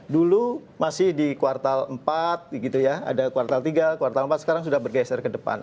dulu masih di kuartal empat gitu ya ada kuartal tiga kuartal empat sekarang sudah bergeser ke depan